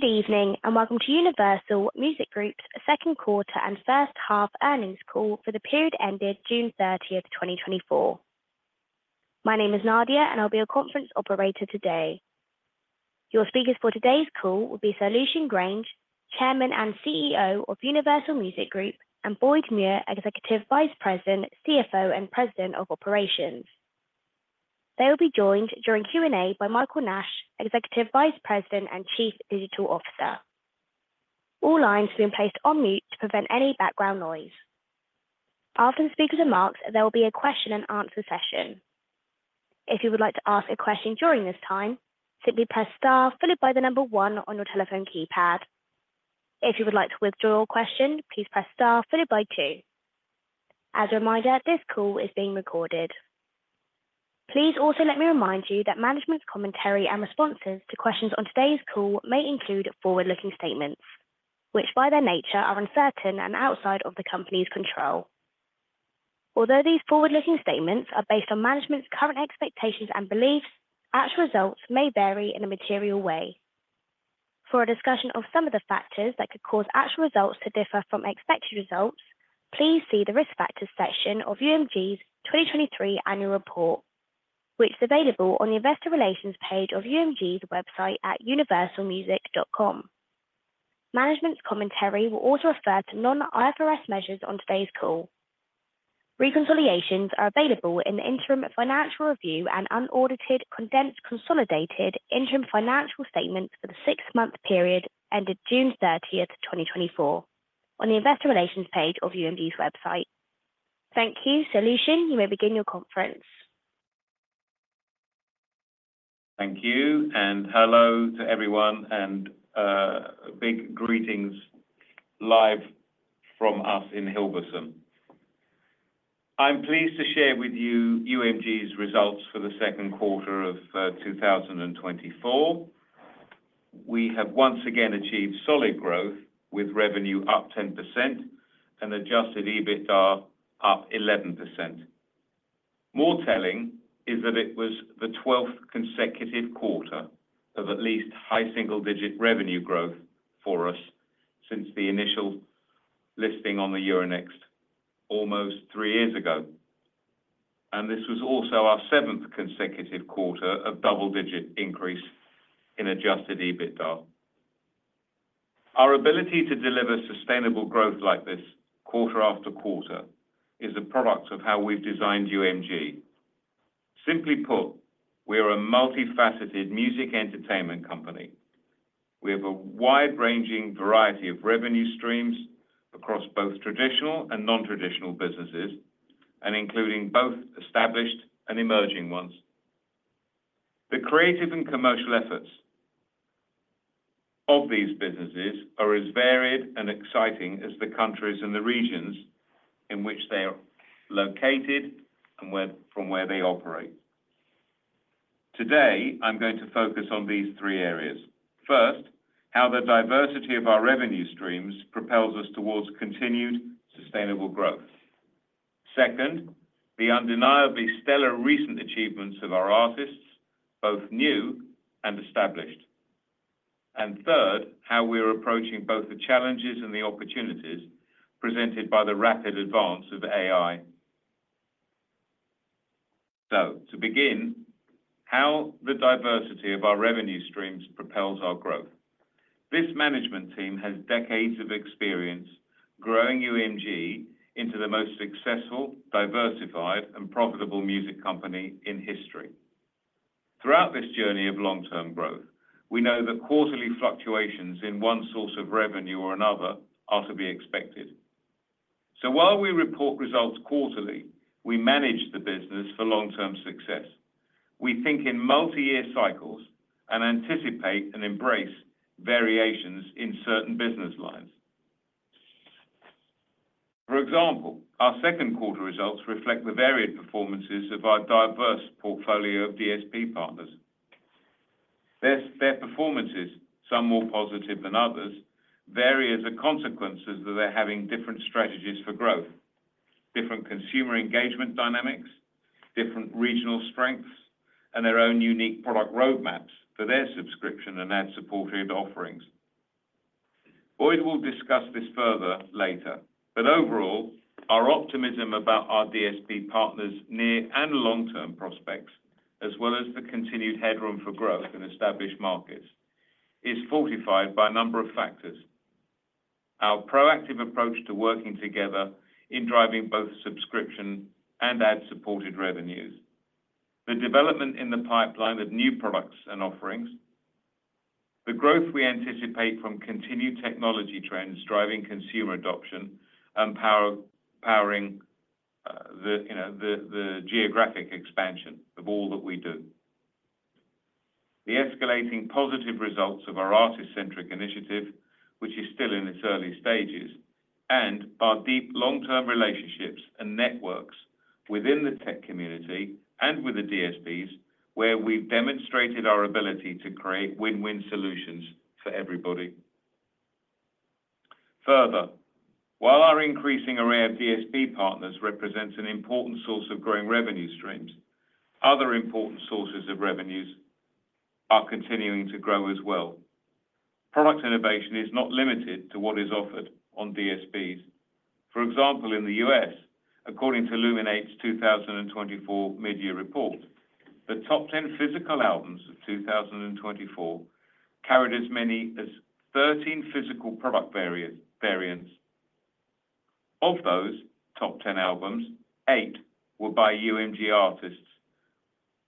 Good evening, and welcome to Universal Music Group's second quarter and first half earnings call for the period ended June 30th, 2024. My name is Nadia, and I'll be your conference operator today. Your speakers for today's call will be Sir Lucian Grainge, Chairman and CEO of Universal Music Group, and Boyd Muir, Executive Vice President, CFO, and President of Operations. They will be joined during Q&A by Michael Nash, Executive Vice President and Chief Digital Officer. All lines have been placed on mute to prevent any background noise. After the speaker's remarks, there will be a question-and-answer session. If you would like to ask a question during this time, simply press star followed by the number one on your telephone keypad. If you would like to withdraw your question, please press star followed by two. As a reminder, this call is being recorded. Please also let me remind you that management's commentary and responses to questions on today's call may include forward-looking statements, which by their nature are uncertain and outside of the company's control. Although these forward-looking statements are based on management's current expectations and beliefs, actual results may vary in a material way. For a discussion of some of the factors that could cause actual results to differ from expected results, please see the risk factors section of UMG's 2023 annual report, which is available on the Investor Relations page of UMG's website at universalmusic.com. Management's commentary will also refer to non-IFRS measures on today's call. Reconciliations are available in the Interim Financial Review and Unaudited Condensed Consolidated Interim Financial Statements for the six-month period ended June 30th, 2024, on the Investor Relations page of UMG's website. Thank you. Sir Lucian, you may begin your conference. Thank you, and hello to everyone, and big greetings live from us in Hilversum. I'm pleased to share with you UMG's results for the second quarter of 2024. We have once again achieved solid growth with revenue up 10% and adjusted EBITDA up 11%. More telling is that it was the 12th consecutive quarter of at least high single-digit revenue growth for us since the initial listing on the Euronext almost 3 years ago. And this was also our 7th consecutive quarter of double-digit increase in adjusted EBITDA. Our ability to deliver sustainable growth like this quarter after quarter is a product of how we've designed UMG. Simply put, we are a multifaceted music entertainment company. We have a wide-ranging variety of revenue streams across both traditional and non-traditional businesses, including both established and emerging ones. The creative and commercial efforts of these businesses are as varied and exciting as the countries and the regions in which they are located and from where they operate. Today, I'm going to focus on these three areas. First, how the diversity of our revenue streams propels us toward continued sustainable growth. Second, the undeniably stellar recent achievements of our artists, both new and established. And third, how we are approaching both the challenges and the opportunities presented by the rapid advance of AI. So, to begin, how the diversity of our revenue streams propels our growth. This management team has decades of experience growing UMG into the most successful, diversified, and profitable music company in history. Throughout this journey of long-term growth, we know that quarterly fluctuations in one source of revenue or another are to be expected. So, while we report results quarterly, we manage the business for long-term success. We think in multi-year cycles and anticipate and embrace variations in certain business lines. For example, our second quarter results reflect the varied performances of our diverse portfolio of DSP partners. Their performances, some more positive than others, vary as a consequence of their having different strategies for growth, different consumer engagement dynamics, different regional strengths, and their own unique product roadmaps for their subscription and ad-supported offerings. Boyd will discuss this further later, but overall, our optimism about our DSP partners' near and long-term prospects, as well as the continued headroom for growth in established markets, is fortified by a number of factors, our proactive approach to working together in driving both subscription and ad-supported revenues, the development in the pipeline of new products and offerings, the growth we anticipate from continued technology trends driving consumer adoption, and powering the geographic expansion of all that we do, the escalating positive results of our artist-centric initiative, which is still in its early stages, and our deep long-term relationships and networks within the tech community and with the DSPs, where we've demonstrated our ability to create win-win solutions for everybody. Further, while our increasing array of DSP partners represents an important source of growing revenue streams, other important sources of revenues are continuing to grow as well. Product innovation is not limited to what is offered on DSPs. For example, in the U.S., according to Luminate's 2024 mid-year report, the top 10 physical albums of 2024 carried as many as 13 physical product variants. Of those top 10 albums, eight were by UMG artists,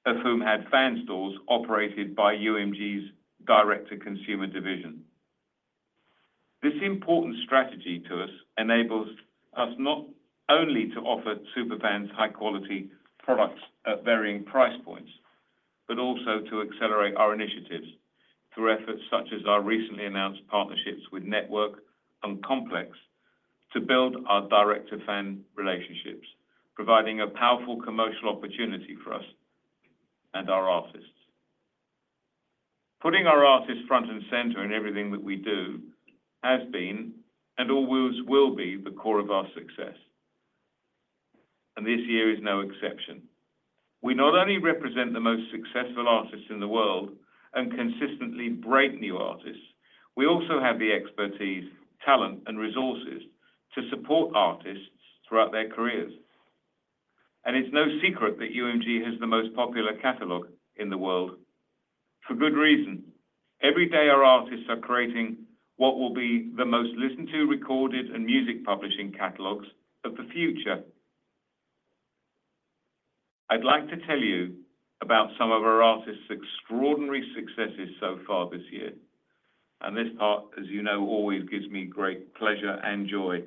of whom had fan stores operated by UMG's Direct-to-Consumer Division. This important strategy to us enables us not only to offer superfans high-quality products at varying price points, but also to accelerate our initiatives through efforts such as our recently announced partnerships with NTWRK and Complex to build our direct-to-fan relationships, providing a powerful commercial opportunity for us and our artists. Putting our artists front and center in everything that we do has been and always will be the core of our success. This year is no exception. We not only represent the most successful artists in the world and consistently break new artists, we also have the expertise, talent, and resources to support artists throughout their careers. It's no secret that UMG has the most popular catalog in the world, for good reason. Every day, our artists are creating what will be the most listened-to recorded and music publishing catalogs of the future. I'd like to tell you about some of our artists' extraordinary successes so far this year. This part, as you know, always gives me great pleasure and joy.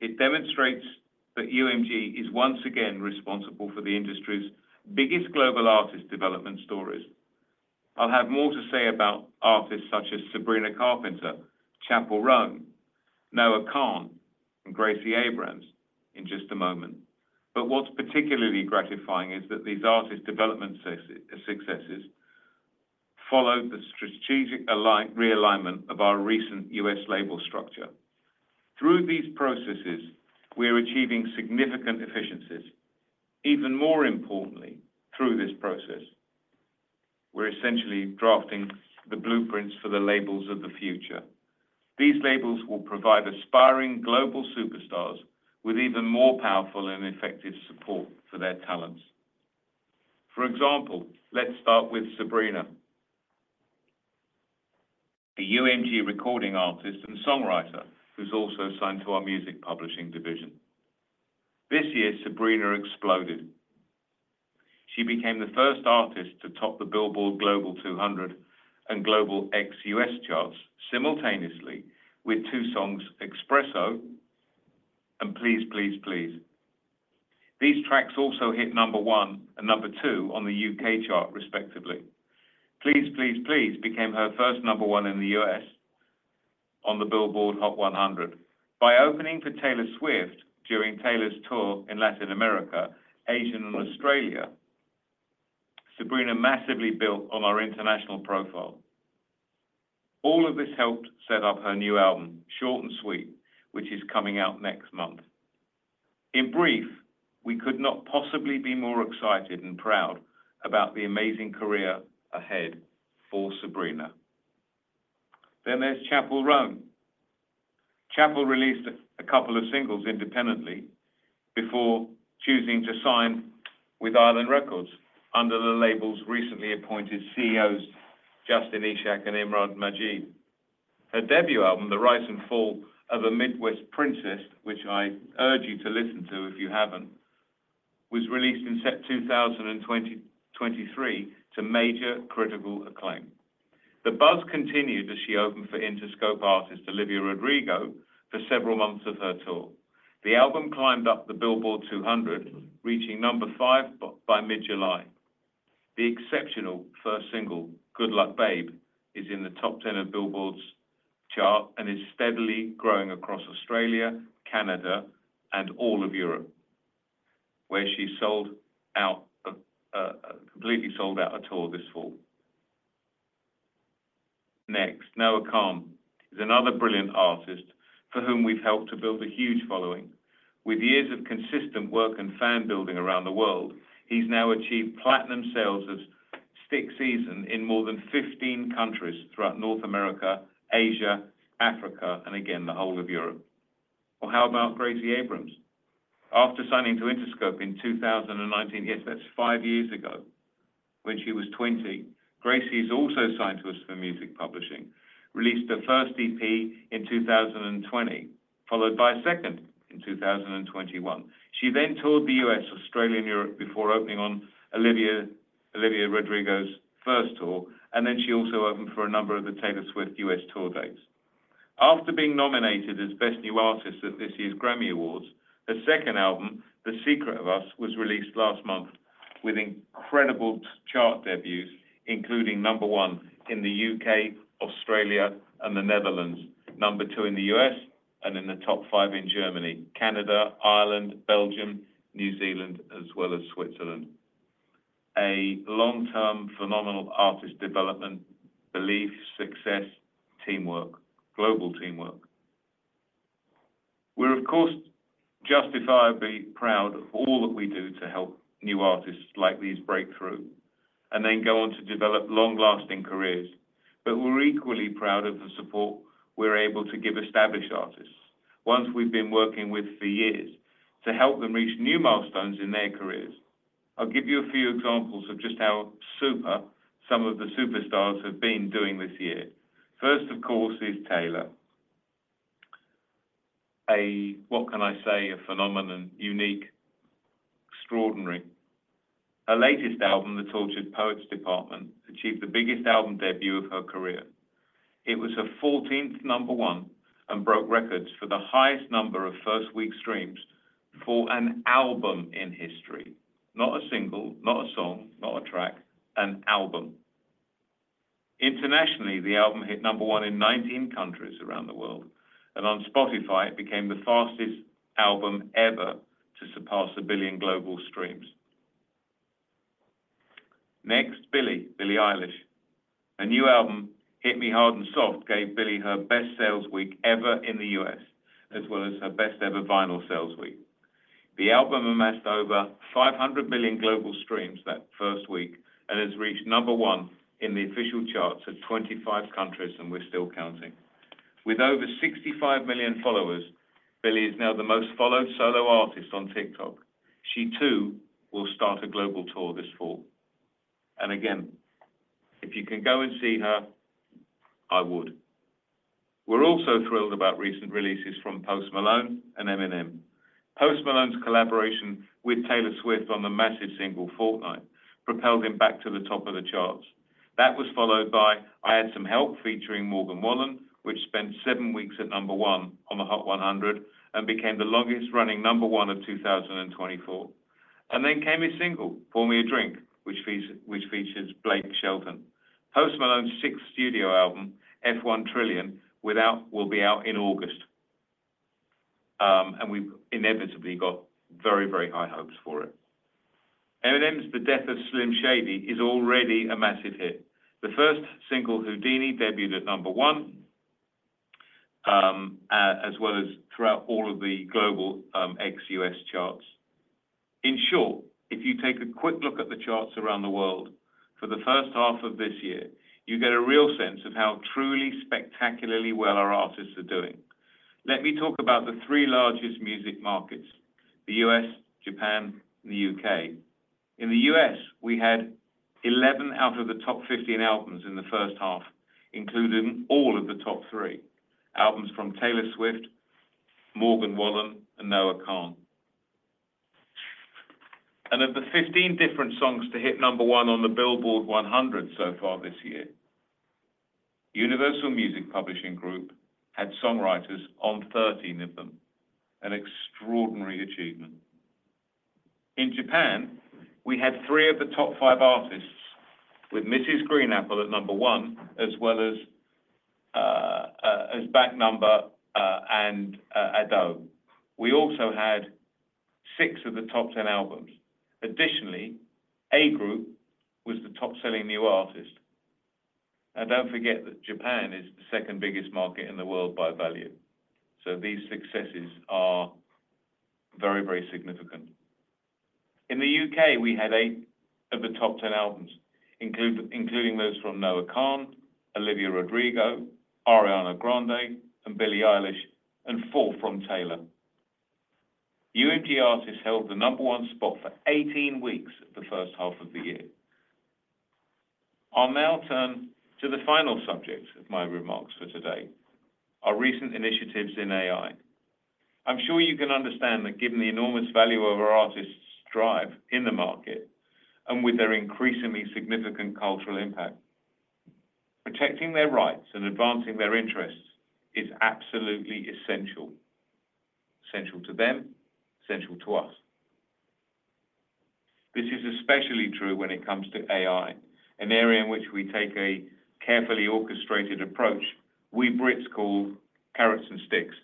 It demonstrates that UMG is once again responsible for the industry's biggest global artist development stories. I'll have more to say about artists such as Sabrina Carpenter, Chappell Roan, Noah Kahan, and Gracie Abrams in just a moment. But what's particularly gratifying is that these artist development successes followed the strategic realignment of our recent U.S. label structure. Through these processes, we are achieving significant efficiencies. Even more importantly, through this process, we're essentially drafting the blueprints for the labels of the future. These labels will provide aspiring global superstars with even more powerful and effective support for their talents. For example, let's start with Sabrina, a UMG recording artist and songwriter who's also assigned to our music publishing division. This year, Sabrina exploded. She became the first artist to top the Billboard Global 200 and Global Ex-U.S. charts simultaneously with two songs, "Espresso" and "Please Please Please." These tracks also hit number one and number two on the U.K. chart, respectively. "Please Please Please" became her first number one in the U.S. on the Billboard Hot 100. By opening for Taylor Swift during Taylor's tour in Latin America, Asia, and Australia, Sabrina massively built on our international profile. All of this helped set up her new album, "Short n' Sweet," which is coming out next month. In brief, we could not possibly be more excited and proud about the amazing career ahead for Sabrina. Then there's Chappell Roan. Chappell released a couple of singles independently before choosing to sign with Island Records under the label's recently appointed CEOs, Justin Eshak and Imran Majid. Her debut album, "The Rise and Fall of a Midwest Princess," which I urge you to listen to if you haven't, was released in 2023 to major critical acclaim. The buzz continued as she opened for Interscope artist Olivia Rodrigo for several months of her tour. The album climbed up the Billboard 200, reaching number 5 by mid-July. The exceptional first single, "Good Luck, Babe," is in the top 10 of Billboard's chart and is steadily growing across Australia, Canada, and all of Europe, where she sold out, completely sold out a tour this fall. Next, Noah Kahan is another brilliant artist for whom we've helped to build a huge following. With years of consistent work and fan building around the world, he's now achieved platinum sales of "Stick Season" in more than 15 countries throughout North America, Asia, Africa, and again, the whole of Europe. Or how about Gracie Abrams? After signing to Interscope in 2019, yes, that's five years ago when she was 20, Gracie has also signed to us for music publishing, released her first EP in 2020, followed by a second in 2021. She then toured the U.S., Australia, and Europe before opening on Olivia Rodrigo's first tour, and then she also opened for a number of the Taylor Swift U.S. tour dates. After being nominated as Best New Artist at this year's Grammy Awards, her second album, "The Secret of Us," was released last month with incredible chart debuts, including number one in the U.K., Australia, and the Netherlands, number two in the U.S., and in the top five in Germany, Canada, Ireland, Belgium, New Zealand, as well as Switzerland. A long-term phenomenal artist development, belief, success, teamwork, global teamwork. We're, of course, justifiably proud of all that we do to help new artists like these break through and then go on to develop long-lasting careers. But we're equally proud of the support we're able to give established artists once we've been working with for years to help them reach new milestones in their careers. I'll give you a few examples of just how super some of the superstars have been doing this year. First, of course, is Taylor. A, what can I say, a phenomenon, unique, extraordinary. Her latest album, "The Tortured Poets Department," achieved the biggest album debut of her career. It was her 14th number one and broke records for the highest number of first-week streams for an album in history. Not a single, not a song, not a track, an album. Internationally, the album hit number one in 19 countries around the world. And on Spotify, it became the fastest album ever to surpass 1 billion global streams. Next, Billie, Billie Eilish. Her new album, "Hit Me Hard and Soft," gave Billie her best sales week ever in the U.S., as well as her best-ever vinyl sales week. The album amassed over 500 million global streams that first week and has reached number one in the official charts at 25 countries, and we're still counting. With over 65 million followers, Billie is now the most followed solo artist on TikTok. She too will start a global tour this fall. And again, if you can go and see her, I would. We're also thrilled about recent releases from Post Malone and Eminem. Post Malone's collaboration with Taylor Swift on the massive single "Fortnight" propelled him back to the top of the charts. That was followed by "I Had Some Help" featuring Morgan Wallen, which spent seven weeks at number one on the Hot 100 and became the longest-running number one of 2024. And then came his single, "Pour Me a Drink," which features Blake Shelton. Post Malone's sixth studio album, "F-1 Trillion," will be out in August. And we've inevitably got very, very high hopes for it. Eminem's "The Death of Slim Shady" is already a massive hit. The first single, "Houdini," debuted at number one, as well as throughout all of the global ex-U.S. charts. In short, if you take a quick look at the charts around the world for the first half of this year, you get a real sense of how truly spectacularly well our artists are doing. Let me talk about the three largest music markets: the U.S., Japan, and the U.K. In the U.S., we had 11 out of the top 15 albums in the first half, including all of the top three albums from Taylor Swift, Morgan Wallen, and Noah Kahan. Of the 15 different songs to hit number one on the Billboard 100 so far this year, Universal Music Publishing Group had songwriters on 13 of them. An extraordinary achievement. In Japan, we had three of the top five artists, with Mrs. GREEN APPLE at number one, as well as back number and Ado. We also had six of the top 10 albums. Additionally, Ae! Group was the top-selling new artist. And don't forget that Japan is the second biggest market in the world by value. So these successes are very, very significant. In the U.K., we had eight of the top 10 albums, including those from Noah Kahan, Olivia Rodrigo, Ariana Grande, and Billie Eilish, and four from Taylor. UMG artists held the number one spot for 18 weeks the first half of the year. I'll now turn to the final subject of my remarks for today: our recent initiatives in AI. I'm sure you can understand that given the enormous value of our artists' strive in the market and with their increasingly significant cultural impact, protecting their rights and advancing their interests is absolutely essential. Essential to them, essential to us. This is especially true when it comes to AI, an area in which we take a carefully orchestrated approach we Brits call carrots and sticks.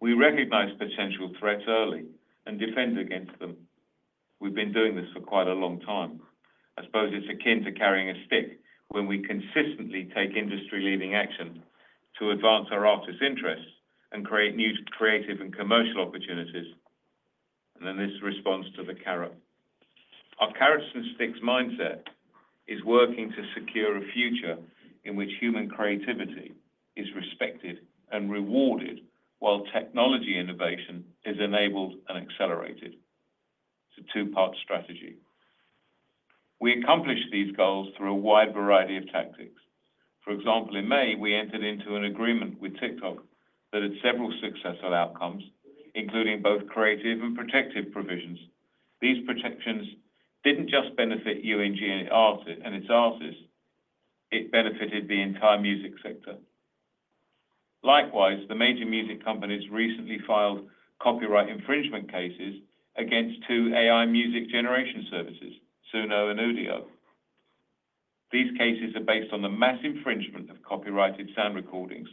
We recognize potential threats early and defend against them. We've been doing this for quite a long time. I suppose it's akin to carrying a stick when we consistently take industry-leading action to advance our artists' interests and create new creative and commercial opportunities. And then this responds to the carrot. Our carrots and sticks mindset is working to secure a future in which human creativity is respected and rewarded while technology innovation is enabled and accelerated. It's a two-part strategy. We accomplish these goals through a wide variety of tactics. For example, in May, we entered into an agreement with TikTok that had several successful outcomes, including both creative and protective provisions. These protections didn't just benefit UMG and its artists. It benefited the entire music sector. Likewise, the major music companies recently filed copyright infringement cases against two AI music generation services, Suno and Udio. These cases are based on the mass infringement of copyrighted sound recordings,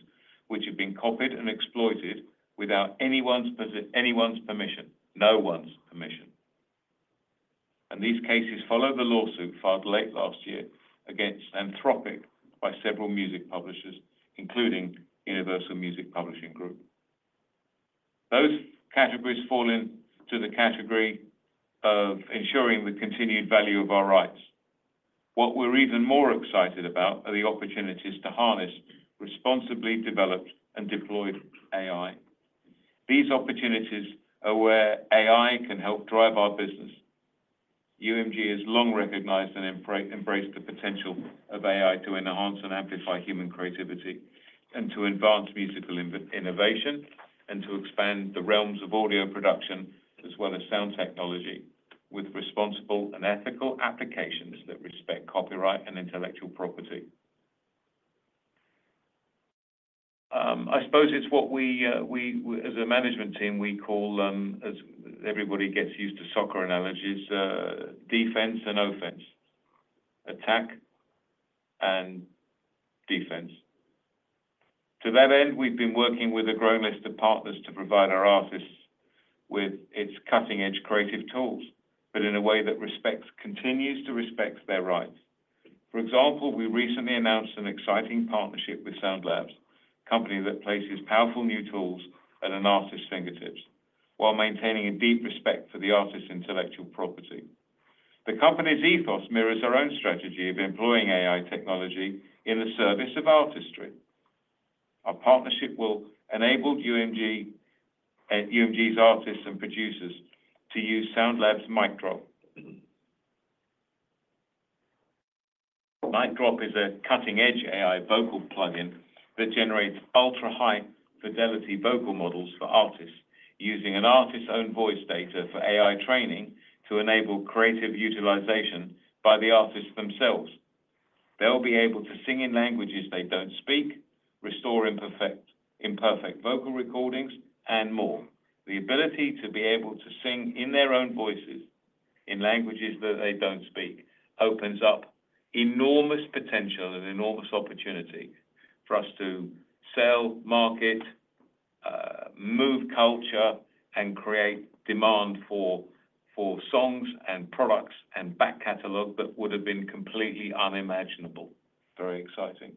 which have been copied and exploited without anyone's permission, no one's permission. These cases follow the lawsuit filed late last year against Anthropic by several music publishers, including Universal Music Publishing Group. Those categories fall into the category of ensuring the continued value of our rights. What we're even more excited about are the opportunities to harness responsibly developed and deployed AI. These opportunities are where AI can help drive our business. UMG has long recognized and embraced the potential of AI to enhance and amplify human creativity and to advance musical innovation and to expand the realms of audio production as well as sound technology with responsible and ethical applications that respect copyright and intellectual property. I suppose it's what we, as a management team, we call, as everybody gets used to soccer analogies, defense and offense, attack and defense. To that end, we've been working with a growing list of partners to provide our artists with its cutting-edge creative tools, but in a way that respects, continues to respect their rights. For example, we recently announced an exciting partnership with SoundLabs, a company that places powerful new tools at an artist's fingertips while maintaining a deep respect for the artist's intellectual property. The company's ethos mirrors our own strategy of employing AI technology in the service of artistry. Our partnership will enable UMG's artists and producers to use SoundLabs' MicDrop. MicDrop is a cutting-edge AI vocal plugin that generates ultra-high fidelity vocal models for artists using an artist's own voice data for AI training to enable creative utilization by the artists themselves. They'll be able to sing in languages they don't speak, restore imperfect vocal recordings, and more. The ability to be able to sing in their own voices in languages that they don't speak opens up enormous potential and enormous opportunity for us to sell, market, move culture, and create demand for songs and products and back catalog that would have been completely unimaginable. Very exciting.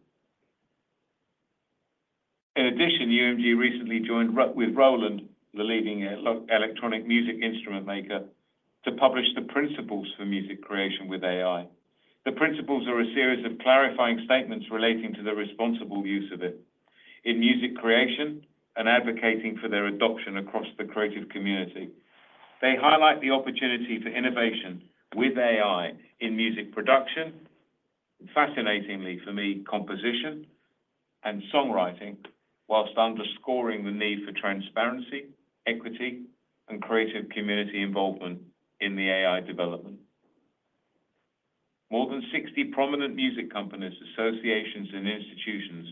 In addition, UMG recently joined with Roland, the leading electronic music instrument maker, to publish the principles for music creation with AI. The principles are a series of clarifying statements relating to the responsible use of it in music creation and advocating for their adoption across the creative community. They highlight the opportunity for innovation with AI in music production, fascinatingly for me, composition and songwriting, while underscoring the need for transparency, equity, and creative community involvement in the AI development. More than 60 prominent music companies, associations, and institutions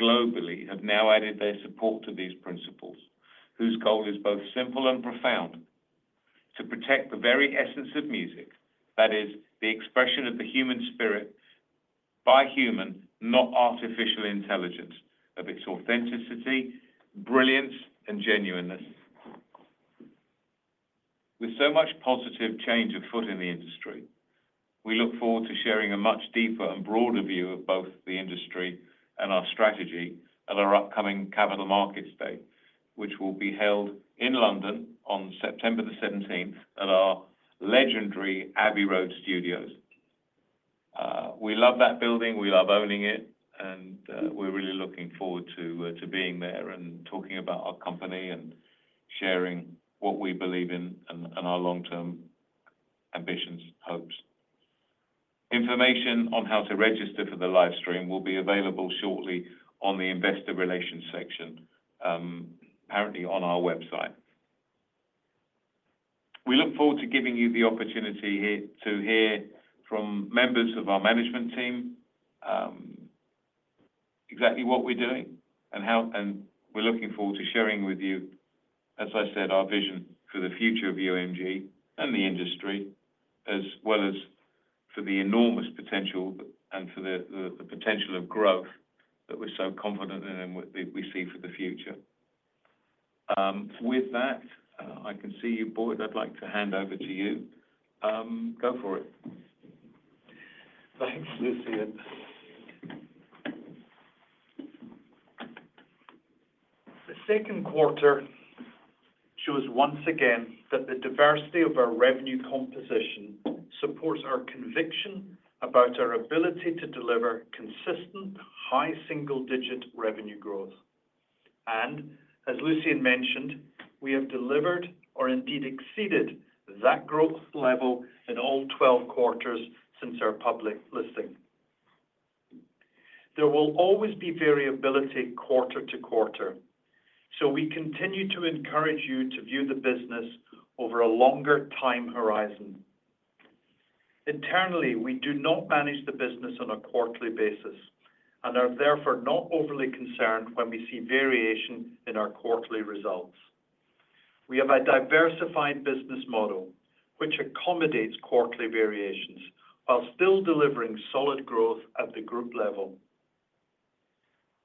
globally have now added their support to these principles, whose goal is both simple and profound: to protect the very essence of music, that is, the expression of the human spirit by human, not artificial intelligence, of its authenticity, brilliance, and genuineness. With so much positive change afoot in the industry, we look forward to sharing a much deeper and broader view of both the industry and our strategy at our upcoming Capital Markets Day, which will be held in London on September the 17th at our legendary Abbey Road Studios. We love that building. We love owning it. And we're really looking forward to being there and talking about our company and sharing what we believe in and our long-term ambitions, hopes. Information on how to register for the live stream will be available shortly on the investor relations section, apparently on our website. We look forward to giving you the opportunity to hear from members of our management team exactly what we're doing and how we're looking forward to sharing with you, as I said, our vision for the future of UMG and the industry, as well as for the enormous potential and for the potential of growth that we're so confident in and we see for the future. With that, I can see you, Boyd. I'd like to hand over to you. Go for it. Thanks, Lucian. The second quarter shows once again that the diversity of our revenue composition supports our conviction about our ability to deliver consistent high single-digit revenue growth. As Lucian mentioned, we have delivered or indeed exceeded that growth level in all 12 quarters since our public listing. There will always be variability quarter to quarter. So we continue to encourage you to view the business over a longer time horizon. Internally, we do not manage the business on a quarterly basis and are therefore not overly concerned when we see variation in our quarterly results. We have a diversified business model which accommodates quarterly variations while still delivering solid growth at the group level.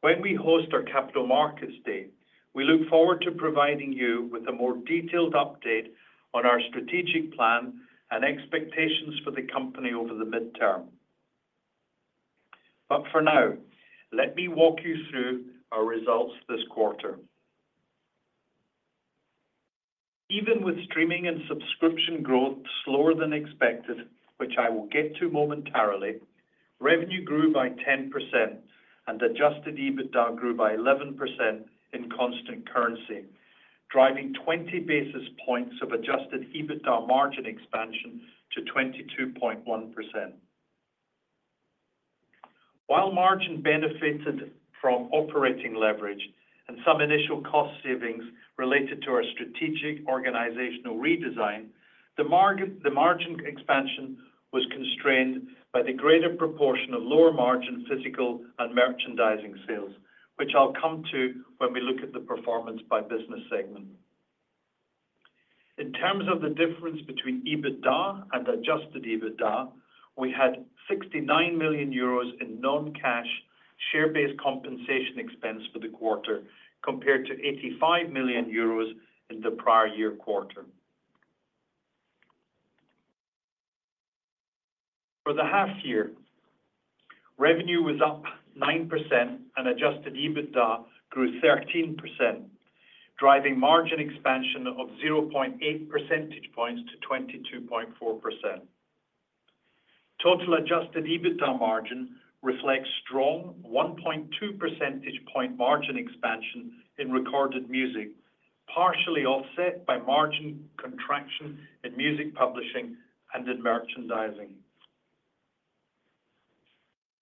When we host our Capital Markets Day, we look forward to providing you with a more detailed update on our strategic plan and expectations for the company over the midterm. But for now, let me walk you through our results this quarter. Even with streaming and subscription growth slower than expected, which I will get to momentarily, revenue grew by 10% and adjusted EBITDA grew by 11% in constant currency, driving 20 basis points of adjusted EBITDA margin expansion to 22.1%. While margin benefited from operating leverage and some initial cost savings related to our strategic organizational redesign, the margin expansion was constrained by the greater proportion of lower margin physical and merchandising sales, which I'll come to when we look at the performance by business segment. In terms of the difference between EBITDA and adjusted EBITDA, we had 69 million euros in non-cash share-based compensation expense for the quarter compared to 85 million euros in the prior year quarter. For the half year, revenue was up 9% and adjusted EBITDA grew 13%, driving margin expansion of 0.8 percentage points to 22.4%. Total Adjusted EBITDA margin reflects strong 1.2 percentage point margin expansion in recorded music, partially offset by margin contraction in music publishing and in merchandising.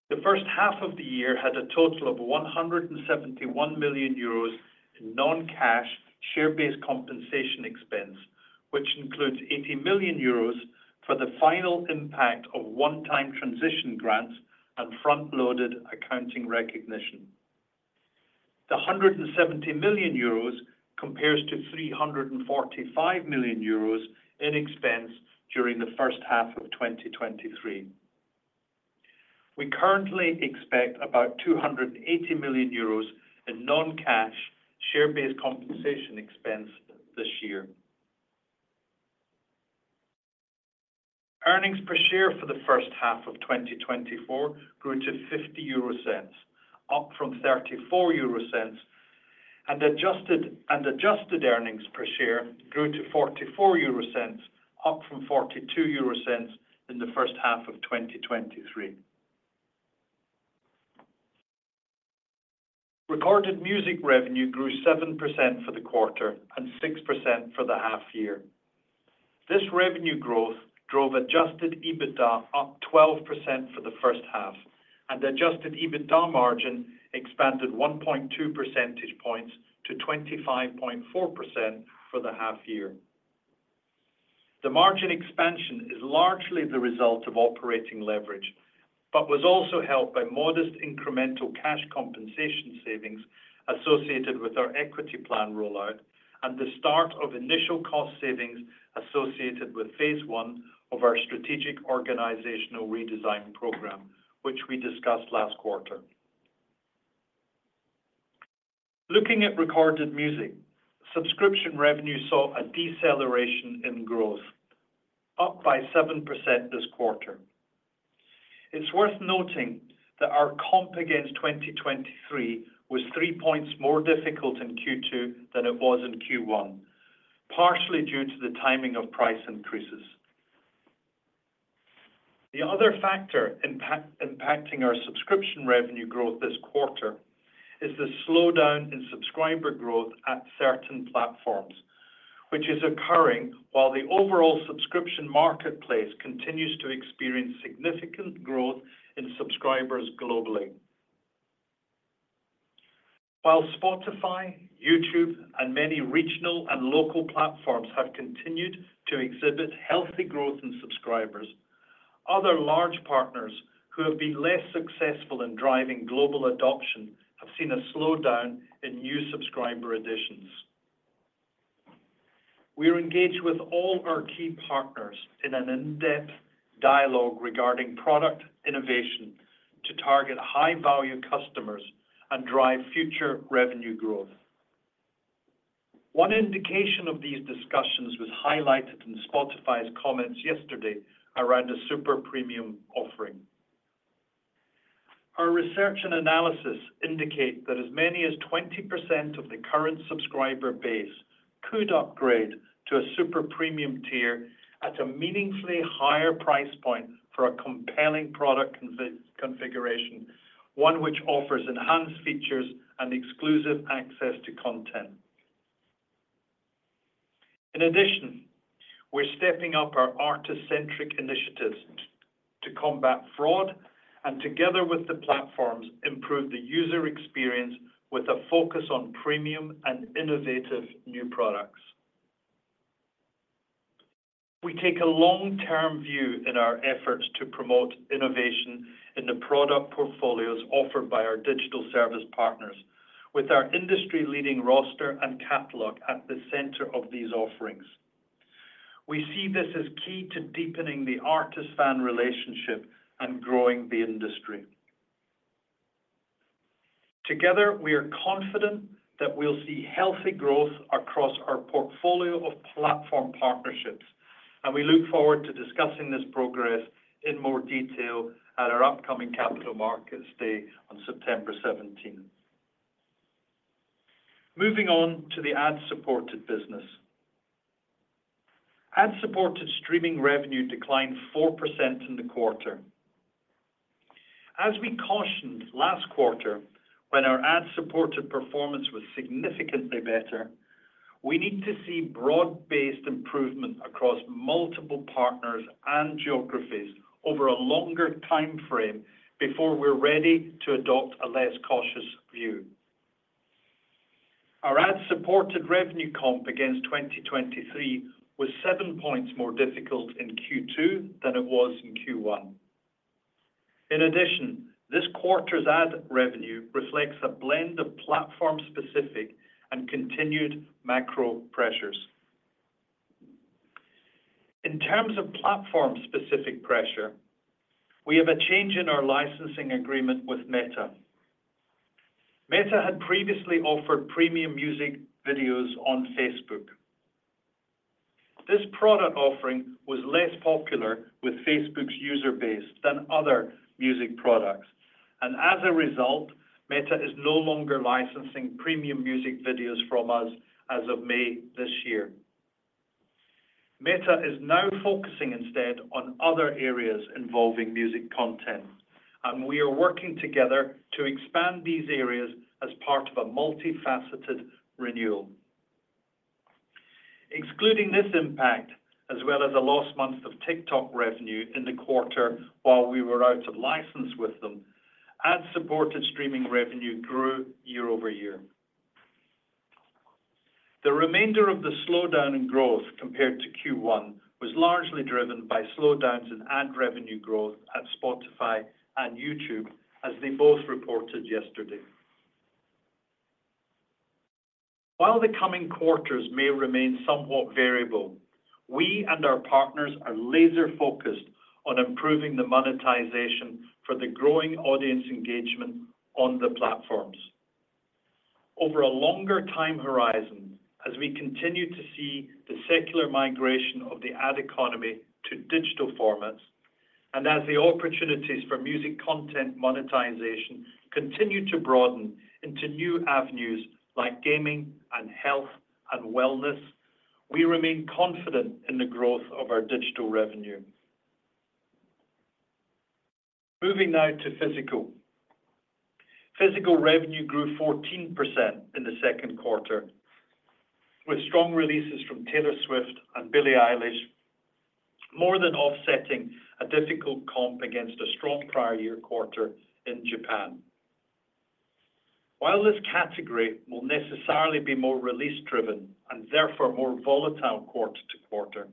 The first half of the year had a total of 171 million euros in non-cash share-based compensation expense, which includes 80 million euros for the final impact of one-time transition grants and front-loaded accounting recognition. The 170 million euros compares to 345 million euros in expense during the first half of 2023. We currently expect about 280 million euros in non-cash share-based compensation expense this year. Earnings per share for the first half of 2024 grew to 50 euro, up from 34 euro, and adjusted earnings per share grew to 44 euro, up from 42 euro in the first half of 2023. Recorded music revenue grew 7% for the quarter and 6% for the half year. This revenue growth drove Adjusted EBITDA up 12% for the first half, and Adjusted EBITDA margin expanded 1.2 percentage points to 25.4% for the half year. The margin expansion is largely the result of operating leverage, but was also helped by modest incremental cash compensation savings associated with our equity plan rollout and the start of initial cost savings associated with phase one of our strategic organizational redesign program, which we discussed last quarter. Looking at recorded music, subscription revenue saw a deceleration in growth, up by 7% this quarter. It's worth noting that our comp against 2023 was three points more difficult in Q2 than it was in Q1, partially due to the timing of price increases. The other factor impacting our subscription revenue growth this quarter is the slowdown in subscriber growth at certain platforms, which is occurring while the overall subscription marketplace continues to experience significant growth in subscribers globally. While Spotify, YouTube, and many regional and local platforms have continued to exhibit healthy growth in subscribers, other large partners who have been less successful in driving global adoption have seen a slowdown in new subscriber additions. We are engaged with all our key partners in an in-depth dialogue regarding product innovation to target high-value customers and drive future revenue growth. One indication of these discussions was highlighted in Spotify's comments yesterday around a Super Premium offering. Our research and analysis indicate that as many as 20% of the current subscriber base could upgrade to a super premium tier at a meaningfully higher price point for a compelling product configuration, one which offers enhanced features and exclusive access to content. In addition, we're stepping up our artist-centric initiatives to combat fraud and, together with the platforms, improve the user experience with a focus on premium and innovative new products. We take a long-term view in our efforts to promote innovation in the product portfolios offered by our digital service partners, with our industry-leading roster and catalog at the center of these offerings. We see this as key to deepening the artist-fan relationship and growing the industry. Together, we are confident that we'll see healthy growth across our portfolio of platform partnerships, and we look forward to discussing this progress in more detail at our upcoming Capital Markets Day on September 17th. Moving on to the ad-supported business. Ad-supported streaming revenue declined 4% in the quarter. As we cautioned last quarter when our ad-supported performance was significantly better, we need to see broad-based improvement across multiple partners and geographies over a longer timeframe before we're ready to adopt a less cautious view. Our ad-supported revenue comp against 2023 was seven points more difficult in Q2 than it was in Q1. In addition, this quarter's ad revenue reflects a blend of platform-specific and continued macro pressures. In terms of platform-specific pressure, we have a change in our licensing agreement with Meta. Meta had previously offered premium music videos on Facebook. This product offering was less popular with Facebook's user base than other music products. As a result, Meta is no longer licensing premium music videos from us as of May this year. Meta is now focusing instead on other areas involving music content, and we are working together to expand these areas as part of a multifaceted renewal. Excluding this impact, as well as the last month of TikTok revenue in the quarter while we were out of license with them, ad-supported streaming revenue grew year-over-year. The remainder of the slowdown in growth compared to Q1 was largely driven by slowdowns in ad revenue growth at Spotify and YouTube, as they both reported yesterday. While the coming quarters may remain somewhat variable, we and our partners are laser-focused on improving the monetization for the growing audience engagement on the platforms. Over a longer time horizon, as we continue to see the secular migration of the ad economy to digital formats, and as the opportunities for music content monetization continue to broaden into new avenues like gaming and health and wellness, we remain confident in the growth of our digital revenue. Moving now to physical. Physical revenue grew 14% in the second quarter, with strong releases from Taylor Swift and Billie Eilish, more than offsetting a difficult comp against a strong prior year quarter in Japan. While this category will necessarily be more release-driven and therefore more volatile quarter to quarter,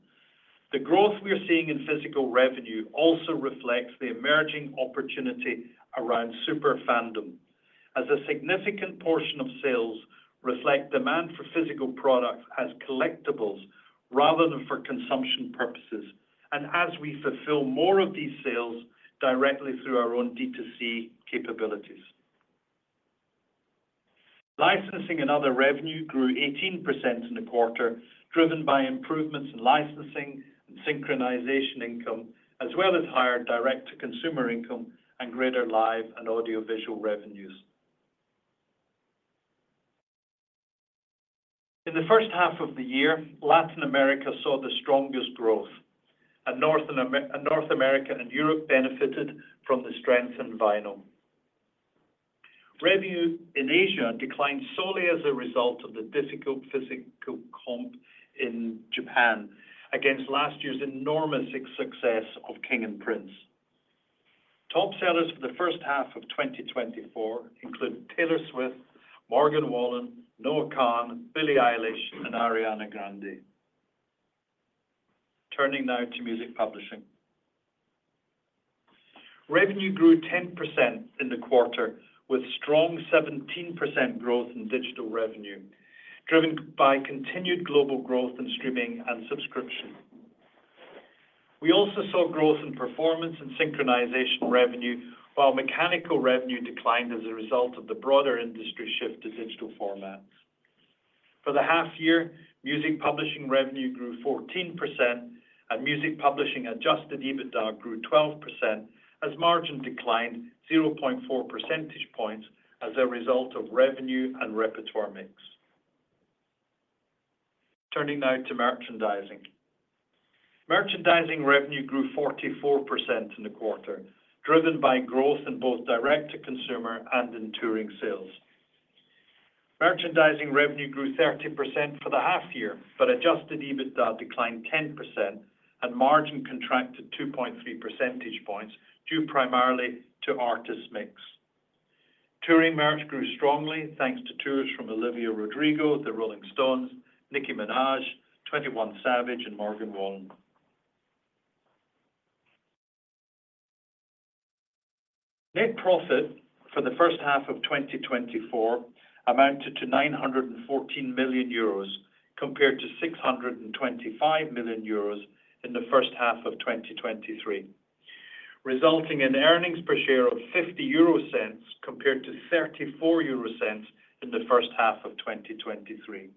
the growth we're seeing in physical revenue also reflects the emerging opportunity around super fandom, as a significant portion of sales reflects demand for physical products as collectibles rather than for consumption purposes, and as we fulfill more of these sales directly through our own D2C capabilities. Licensing and other revenue grew 18% in the quarter, driven by improvements in licensing and synchronization income, as well as higher direct-to-consumer income and greater live and audiovisual revenues. In the first half of the year, Latin America saw the strongest growth, and North America and Europe benefited from the strengthened vinyl. Revenue in Asia declined solely as a result of the difficult physical comp in Japan against last year's enormous success of King & Prince. Top sellers for the first half of 2024 include Taylor Swift, Morgan Wallen, Noah Kahan, Billie Eilish, and Ariana Grande. Turning now to music publishing. Revenue grew 10% in the quarter, with strong 17% growth in digital revenue, driven by continued global growth in streaming and subscription. We also saw growth in performance and synchronization revenue, while mechanical revenue declined as a result of the broader industry shift to digital formats. For the half year, music publishing revenue grew 14%, and music publishing adjusted EBITDA grew 12% as margin declined 0.4 percentage points as a result of revenue and repertoire mix. Turning now to merchandising. Merchandising revenue grew 44% in the quarter, driven by growth in both direct-to-consumer and in touring sales. Merchandising revenue grew 30% for the half year, but adjusted EBITDA declined 10%, and margin contracted 2.3 percentage points due primarily to artist mix. Touring merch grew strongly thanks to tours from Olivia Rodrigo, The Rolling Stones, Nicki Minaj, 21 Savage, and Morgan Wallen. Net profit for the first half of 2024 amounted to 914 million euros compared to 625 million euros in the first half of 2023, resulting in earnings per share of 50 euro compared to 34 euro in the first half of 2023.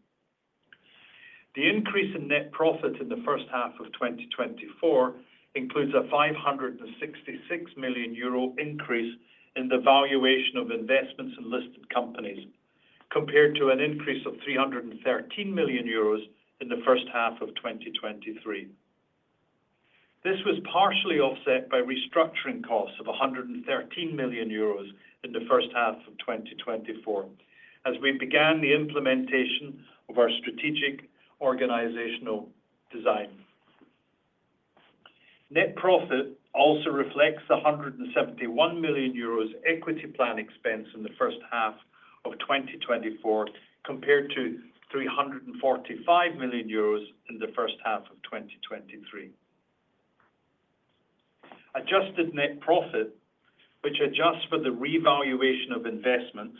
The increase in net profit in the first half of 2024 includes a 566 million euro increase in the valuation of investments in listed companies compared to an increase of 313 million euros in the first half of 2023. This was partially offset by restructuring costs of 113 million euros in the first half of 2024, as we began the implementation of our strategic organizational design. Net profit also reflects the 171 million euros equity plan expense in the first half of 2024 compared to 345 million euros in the first half of 2023. Adjusted net profit, which adjusts for the revaluation of investments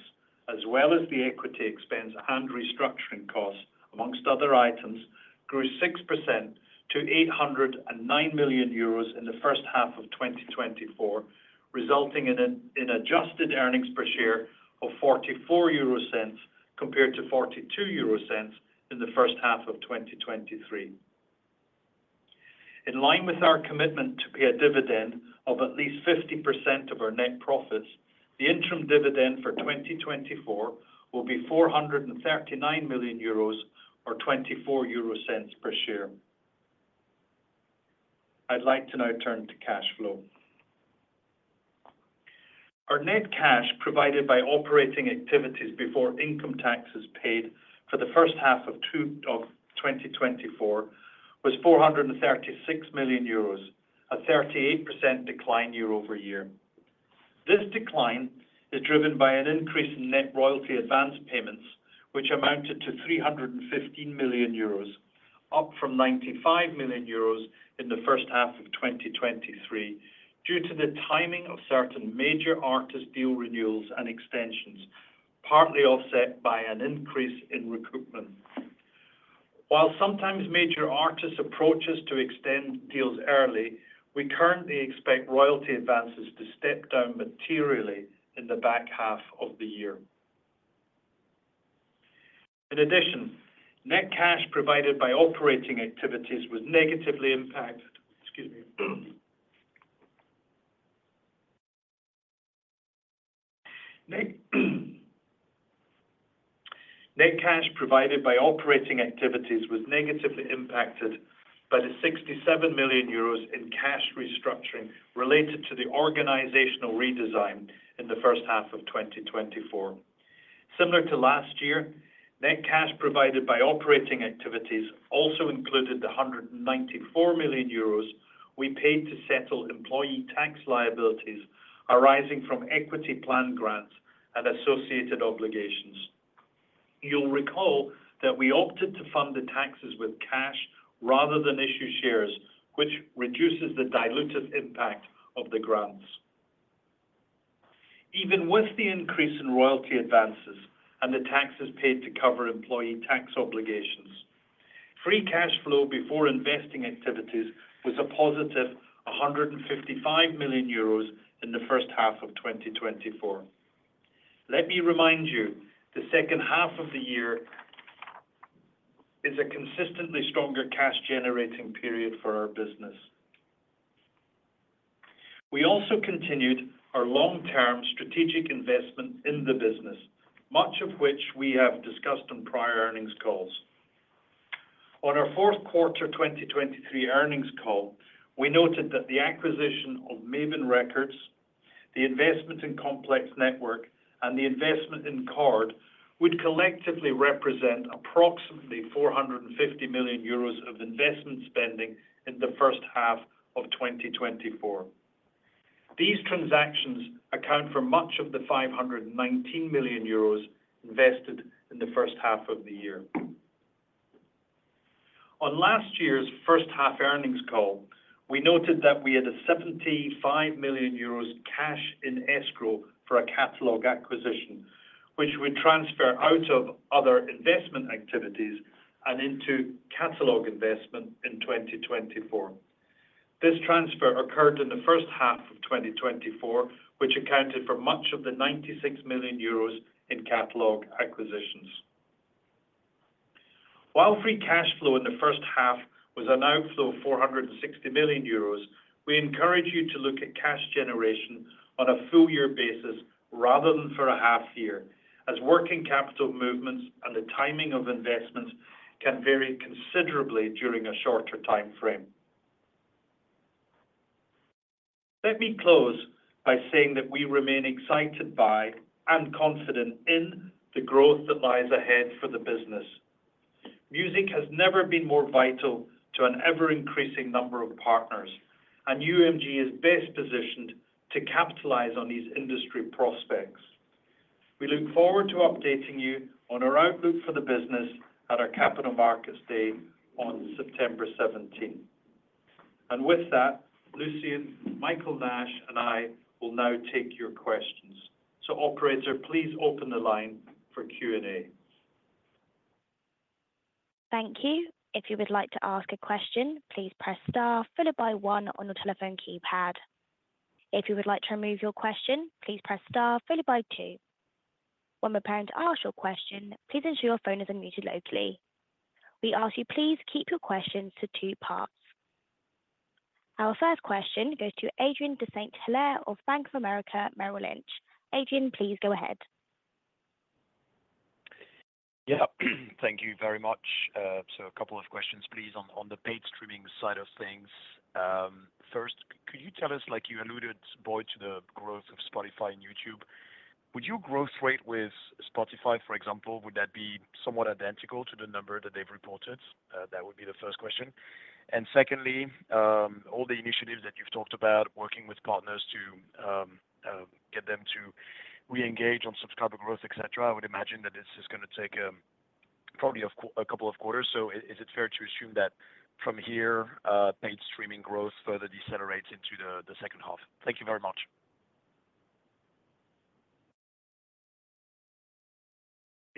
as well as the equity expense and restructuring costs, among other items, grew 6% to 809 million euros in the first half of 2024, resulting in adjusted earnings per share of 44 euro compared to 42 euro in the first half of 2023. In line with our commitment to pay a dividend of at least 50% of our net profits, the interim dividend for 2024 will be 439 million euros or 24 euro per share. I'd like to now turn to cash flow. Our net cash provided by operating activities before income taxes paid for the first half of 2024 was 436 million euros, a 38% decline year-over-year. This decline is driven by an increase in net royalty advance payments, which amounted to 315 million euros, up from 95 million euros in the first half of 2023 due to the timing of certain major artist deal renewals and extensions, partly offset by an increase in recruitment. While sometimes major artists approach us to extend deals early, we currently expect royalty advances to step down materially in the back half of the year. In addition, net cash provided by operating activities was negatively impacted by the EUR 67 million in cash restructuring related to the organizational redesign in the first half of 2024. Similar to last year, net cash provided by operating activities also included the 194 million euros we paid to settle employee tax liabilities arising from equity plan grants and associated obligations. You'll recall that we opted to fund the taxes with cash rather than issue shares, which reduces the dilutive impact of the grants. Even with the increase in royalty advances and the taxes paid to cover employee tax obligations, free cash flow before investing activities was a positive 155 million euros in the first half of 2024. Let me remind you, the second half of the year is a consistently stronger cash-generating period for our business. We also continued our long-term strategic investment in the business, much of which we have discussed on prior earnings calls. On our fourth quarter 2023 earnings call, we noted that the acquisition of Mavin Records, the investment in Complex Networks, and the investment in Chord would collectively represent approximately 450 million euros of investment spending in the first half of 2024. These transactions account for much of the 519 million euros invested in the first half of the year. On last year's first half earnings call, we noted that we had a 75 million euros cash in escrow for a catalog acquisition, which we transferred out of other investment activities and into catalog investment in 2024. This transfer occurred in the first half of 2024, which accounted for much of the 96 million euros in catalog acquisitions. While free cash flow in the first half was an outflow of 460 million euros, we encourage you to look at cash generation on a full-year basis rather than for a half year, as working capital movements and the timing of investments can vary considerably during a shorter timeframe. Let me close by saying that we remain excited by and confident in the growth that lies ahead for the business. Music has never been more vital to an ever-increasing number of partners, and UMG is best positioned to capitalize on these industry prospects. We look forward to updating you on our outlook for the business at our Capital Markets Day on September 17. And with that, Lucian, Michael Nash, and I will now take your questions. So Operator, please open the line for Q&A. Thank you. If you would like to ask a question, please press star followed by one on your telephone keypad. If you would like to remove your question, please press star followed by two. When we're preparing to ask your question, please ensure your phone is unmuted locally. We ask you, please keep your questions to two parts. Our first question goes to Adrien de Saint Hilaire of Bank of America Merrill Lynch. Adrien, please go ahead. Yeah, thank you very much. So a couple of questions, please, on the paid streaming side of things. First, could you tell us, like you alluded, Boyd, to the growth of Spotify and YouTube? Would your growth rate with Spotify, for example, would that be somewhat identical to the number that they've reported? That would be the first question. And secondly, all the initiatives that you've talked about, working with partners to get them to re-engage on subscriber growth, etc., I would imagine that this is going to take probably a couple of quarters. So is it fair to assume that from here, paid streaming growth further decelerates into the second half? Thank you very much.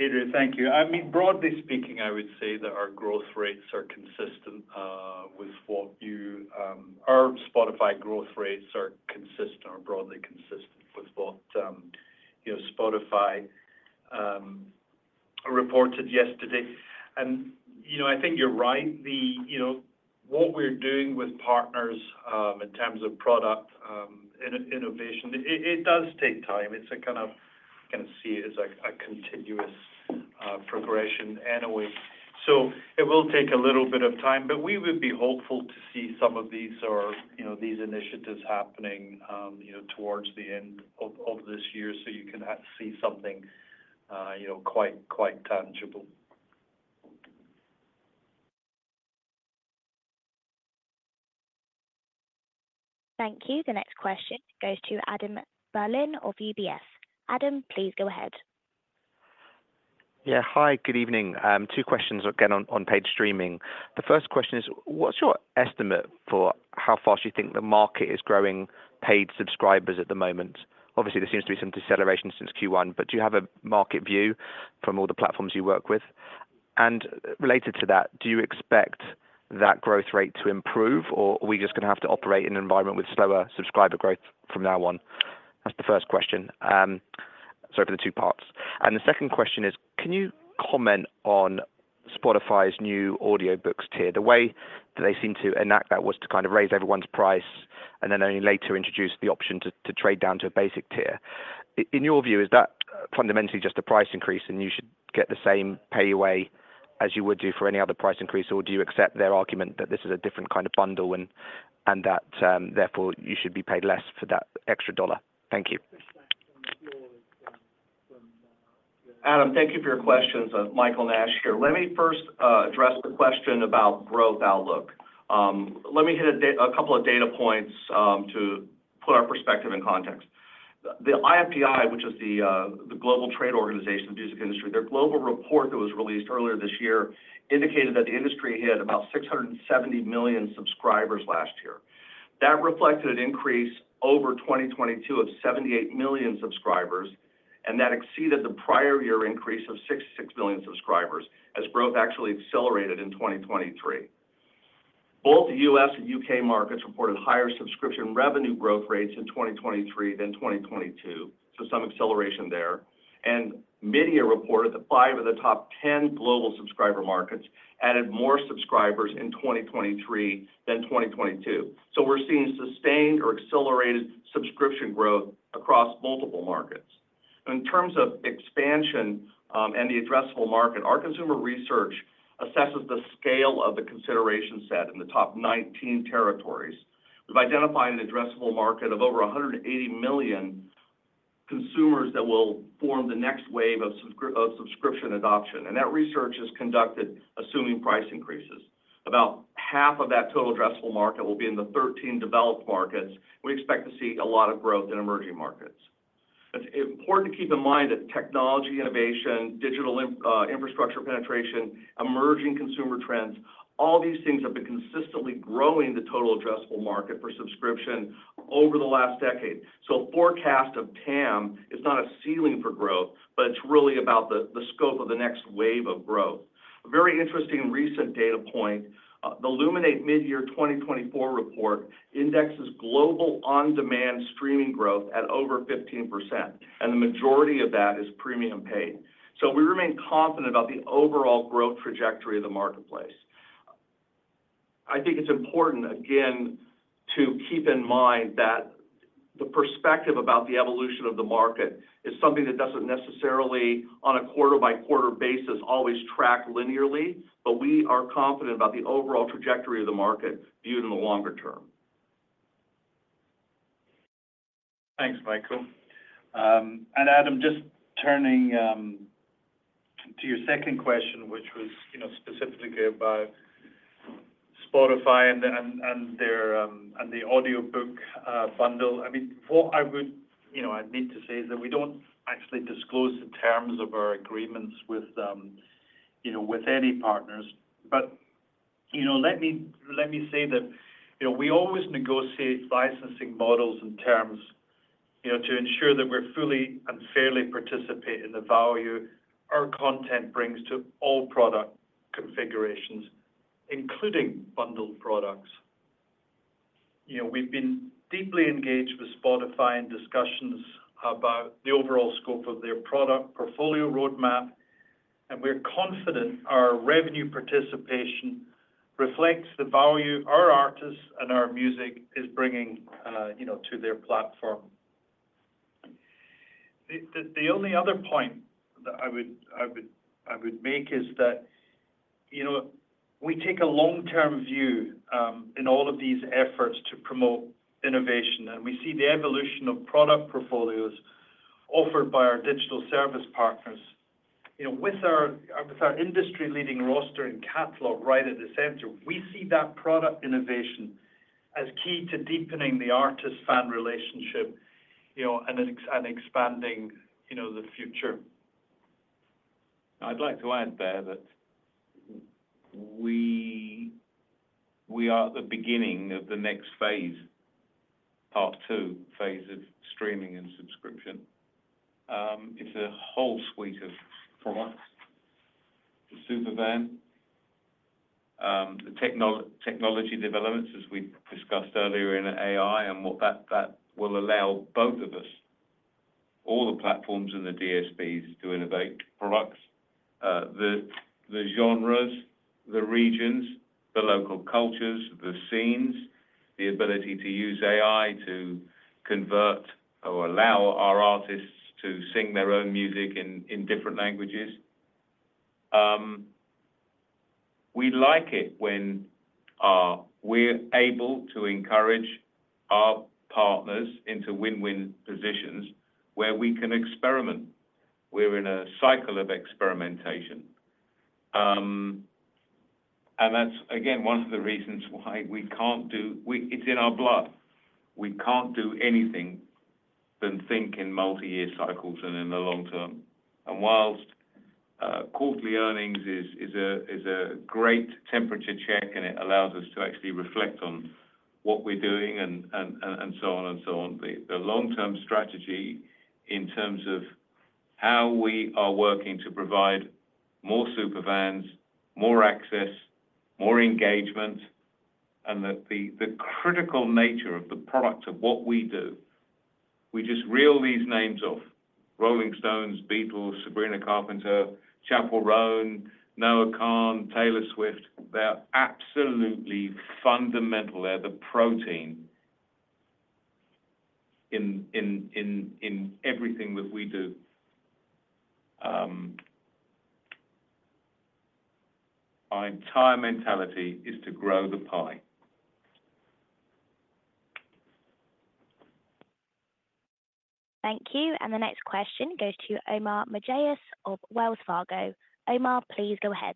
Adrian, thank you. I mean, broadly speaking, I would say that our growth rates are consistent with what you our Spotify growth rates are consistent or broadly consistent with what Spotify reported yesterday. And I think you're right. What we're doing with partners in terms of product innovation, it does take time. It's a kind of. Can see it as a continuous progression anyway. So it will take a little bit of time, but we would be hopeful to see some of these initiatives happening towards the end of this year so you can see something quite tangible. Thank you. The next question goes to Adam Berlin of UBS. Adam, please go ahead. Yeah, hi, good evening. Two questions again on paid streaming. The first question is, what's your estimate for how fast you think the market is growing paid subscribers at the moment? Obviously, there seems to be some deceleration since Q1, but do you have a market view from all the platforms you work with? And related to that, do you expect that growth rate to improve, or are we just going to have to operate in an environment with slower subscriber growth from now on? That's the first question. Sorry for the two parts. The second question is, can you comment on Spotify's new audiobooks tier? The way that they seem to enact that was to kind of raise everyone's price and then only later introduce the option to trade down to a basic tier. In your view, is that fundamentally just a price increase and you should get the same payout as you would do for any other price increase, or do you accept their argument that this is a different kind of bundle and that therefore you should be paid less for that extra dollar? Thank you. Adam, thank you for your questions. Michael Nash here. Let me first address the question about growth outlook. Let me hit a couple of data points to put our perspective in context. The IFPI, which is the global trade organization, the music industry, their global report that was released earlier this year indicated that the industry hit about 670 million subscribers last year. That reflected an increase over 2022 of 78 million subscribers, and that exceeded the prior year increase of 66 million subscribers as growth actually accelerated in 2023. Both the U.S. and U.K. markets reported higher subscription revenue growth rates in 2023 than 2022, so some acceleration there. MIDiA reported that five of the top 10 global subscriber markets added more subscribers in 2023 than 2022. We're seeing sustained or accelerated subscription growth across multiple markets. In terms of expansion and the addressable market, our consumer research assesses the scale of the consideration set in the top 19 territories. We've identified an addressable market of over 180 million consumers that will form the next wave of subscription adoption. That research is conducted assuming price increases. About half of that total addressable market will be in the 13 developed markets. We expect to see a lot of growth in emerging markets. It's important to keep in mind that technology innovation, digital infrastructure penetration, emerging consumer trends, all these things have been consistently growing the total addressable market for subscription over the last decade. So a forecast of TAM is not a ceiling for growth, but it's really about the scope of the next wave of growth. A very interesting recent data point, the Luminate Mid-Year 2024 report indexes global on-demand streaming growth at over 15%, and the majority of that is premium paid. So we remain confident about the overall growth trajectory of the marketplace. I think it's important, again, to keep in mind that the perspective about the evolution of the market is something that doesn't necessarily on a quarter-by-quarter basis always track linearly, but we are confident about the overall trajectory of the market viewed in the longer term. Thanks, Michael. And Adam, just turning to your second question, which was specifically about Spotify and the audiobook bundle. I mean, what I would need to say is that we don't actually disclose the terms of our agreements with any partners. But let me say that we always negotiate licensing models and terms to ensure that we're fully and fairly participating in the value our content brings to all product configurations, including bundled products. We've been deeply engaged with Spotify in discussions about the overall scope of their product portfolio roadmap, and we're confident our revenue participation reflects the value our artists and our music is bringing to their platform. The only other point that I would make is that we take a long-term view in all of these efforts to promote innovation, and we see the evolution of product portfolios offered by our digital service partners. With our industry-leading roster and catalog right at the center, we see that product innovation as key to deepening the artist-fan relationship and expanding the future. I'd like to add there that we are at the beginning of the next phase, part two, phase of streaming and subscription. It's a whole suite of products: the superfan, the technology developments, as we discussed earlier in AI, and what that will allow both of us, all the platforms and the DSPs, to innovate products, the genres, the regions, the local cultures, the scenes, the ability to use AI to convert or allow our artists to sing their own music in different languages. We like it when we're able to encourage our partners into win-win positions where we can experiment. We're in a cycle of experimentation. And that's, again, one of the reasons why we can't do it. It's in our blood. We can't do anything other than think in multi-year cycles and in the long term. While quarterly earnings is a great temperature check and it allows us to actually reflect on what we're doing and so on and so on, the long-term strategy in terms of how we are working to provide more superfans, more access, more engagement, and the critical nature of the product of what we do, we just reel these names off: The Rolling Stones, The Beatles, Sabrina Carpenter, Chappell Roan, Noah Kahan, Taylor Swift. They're absolutely fundamental. They're the protein in everything that we do. Our entire mentality is to grow the pie. Thank you. And the next question goes to Omar Mejias of Wells Fargo. Omar, please go ahead.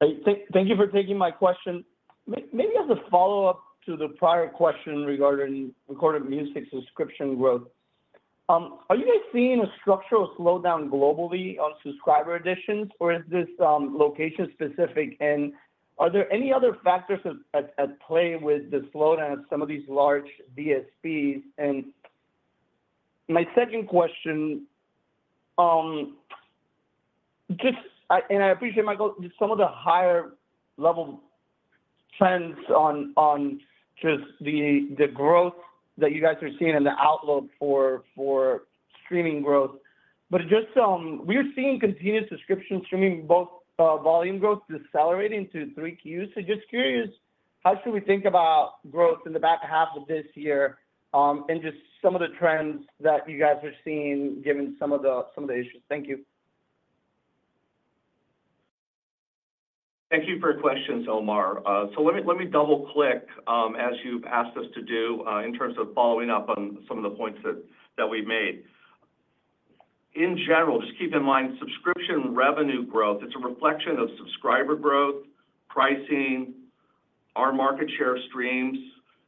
Thank you for taking my question. Maybe as a follow-up to the prior question regarding recorded music subscription growth, are you guys seeing a structural slowdown globally on subscriber additions, or is this location-specific? Are there any other factors at play with the slowdown at some of these large DSPs? My second question, and I appreciate, Michael, some of the higher-level trends on just the growth that you guys are seeing and the outlook for streaming growth. Just we're seeing continued subscription streaming, both volume growth, decelerating to three Qs. Just curious, how should we think about growth in the back half of this year and just some of the trends that you guys are seeing given some of the issues? Thank you. Thank you for your questions, Omar. Let me double-click as you've asked us to do in terms of following up on some of the points that we've made. In general, just keep in mind subscription revenue growth. It's a reflection of subscriber growth, pricing, our market share of streams,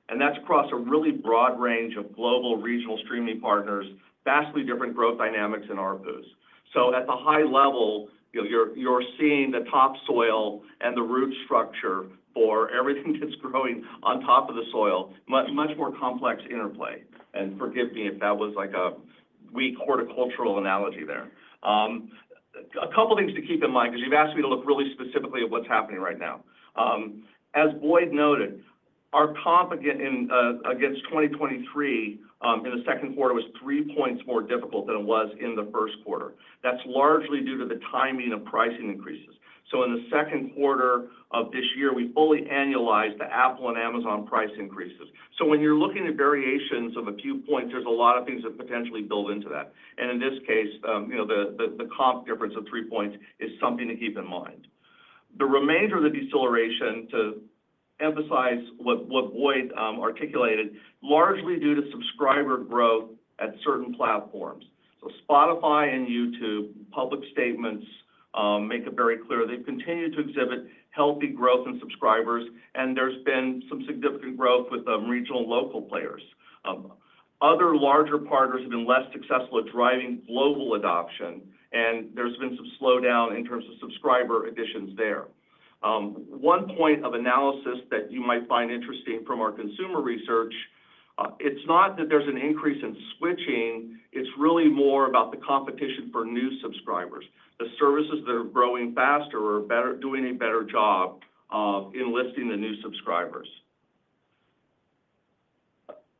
and that's across a really broad range of global regional streaming partners, vastly different growth dynamics in our roots. So at the high level, you're seeing the topsoil and the root structure for everything that's growing on top of the soil, much more complex interplay. And forgive me if that was like a weak horticultural analogy there. A couple of things to keep in mind because you've asked me to look really specifically at what's happening right now. As Boyd noted, our comp against 2023 in the second quarter was 3 points more difficult than it was in the first quarter. That's largely due to the timing of pricing increases. So in the second quarter of this year, we fully annualized the Apple and Amazon price increases. When you're looking at variations of a few points, there's a lot of things that potentially build into that. In this case, the comp difference of three points is something to keep in mind. The remainder of the deceleration, to emphasize what Boyd articulated, is largely due to subscriber growth at certain platforms. Spotify and YouTube, public statements make it very clear. They've continued to exhibit healthy growth in subscribers, and there's been some significant growth with regional and local players. Other larger partners have been less successful at driving global adoption, and there's been some slowdown in terms of subscriber additions there. One point of analysis that you might find interesting from our consumer research, it's not that there's an increase in switching. It's really more about the competition for new subscribers. The services that are growing faster are doing a better job in listing the new subscribers.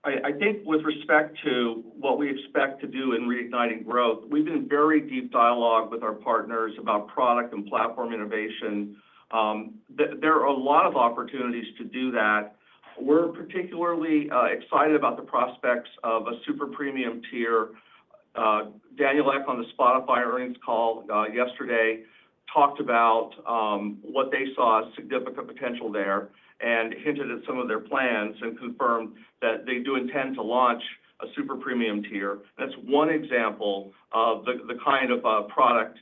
I think with respect to what we expect to do in reigniting growth, we've been in very deep dialogue with our partners about product and platform innovation. There are a lot of opportunities to do that. We're particularly excited about the prospects of a Super Premium tier. Daniel Ek on the Spotify earnings call yesterday talked about what they saw as significant potential there and hinted at some of their plans and confirmed that they do intend to launch a Super Premium tier. That's one example of the kind of product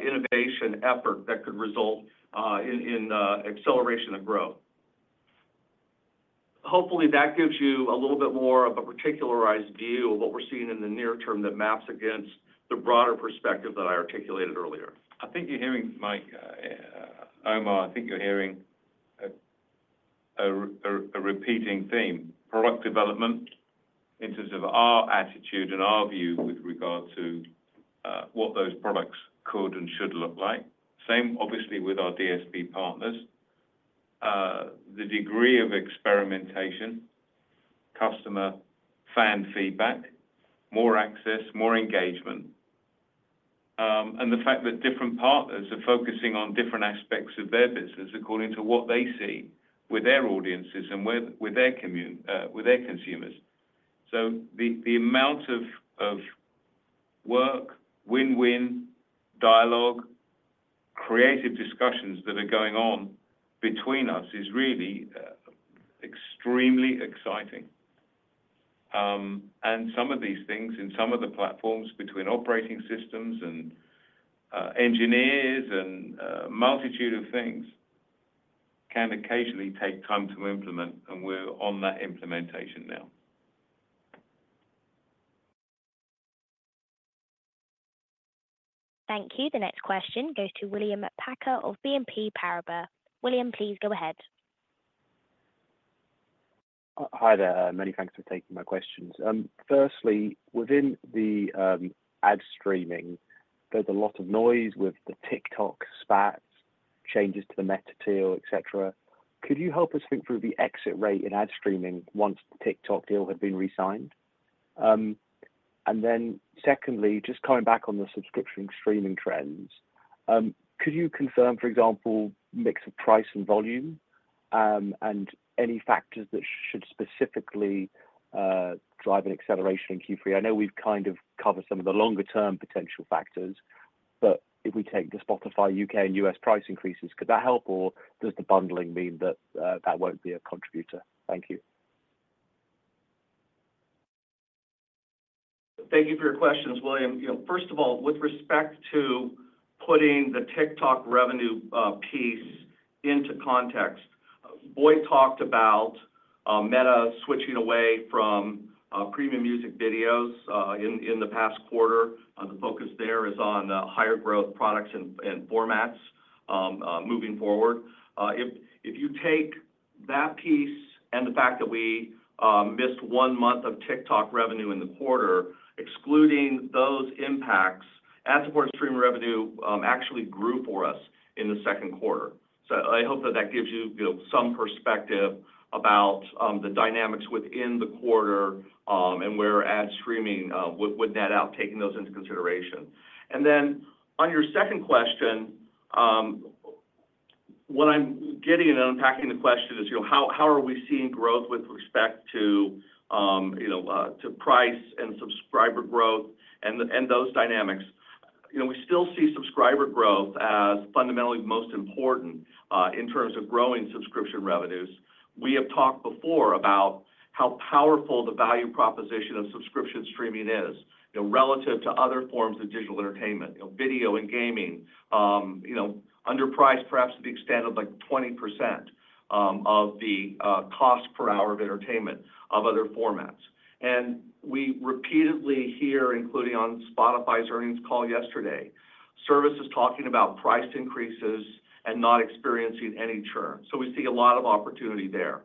innovation effort that could result in acceleration of growth. Hopefully, that gives you a little bit more of a particularized view of what we're seeing in the near term that maps against the broader perspective that I articulated earlier. I think you're hearing me, Omar. I think you're hearing a repeating theme, product development in terms of our attitude and our view with regard to what those products could and should look like. Same, obviously, with our DSP partners. The degree of experimentation, customer fan feedback, more access, more engagement, and the fact that different partners are focusing on different aspects of their business according to what they see with their audiences and with their consumers. So the amount of work, win-win, dialogue, creative discussions that are going on between us is really extremely exciting. And some of these things in some of the platforms between operating systems and engineers and a multitude of things can occasionally take time to implement, and we're on that implementation now. Thank you. The next question goes to William Packer of BNP Paribas. William, please go ahead. Hi there. Many thanks for taking my questions. Firstly, within the ad streaming, there's a lot of noise with the TikTok spats, changes to the Meta deal, etc. Could you help us think through the exit rate in ad streaming once the TikTok deal had been re-signed? And then secondly, just coming back on the subscription streaming trends, could you confirm, for example, mix of price and volume and any factors that should specifically drive an acceleration in Q3? I know we've kind of covered some of the longer-term potential factors, but if we take the Spotify U.K. and U.S. price increases, could that help, or does the bundling mean that that won't be a contributor? Thank you. Thank you for your questions, William. First of all, with respect to putting the TikTok revenue piece into context, Boyd talked about Meta switching away from premium music videos in the past quarter. The focus there is on higher growth products and formats moving forward. If you take that piece and the fact that we missed one month of TikTok revenue in the quarter, excluding those impacts, ad-support stream revenue actually grew for us in the second quarter. So I hope that that gives you some perspective about the dynamics within the quarter and where ad streaming would net out taking those into consideration. And then on your second question, what I'm getting and unpacking the question is, how are we seeing growth with respect to price and subscriber growth and those dynamics? We still see subscriber growth as fundamentally most important in terms of growing subscription revenues. We have talked before about how powerful the value proposition of subscription streaming is relative to other forms of digital entertainment, video and gaming, underpriced perhaps to the extent of like 20% of the cost per hour of entertainment of other formats. We repeatedly hear, including on Spotify's earnings call yesterday, services talking about price increases and not experiencing any churn. We see a lot of opportunity there.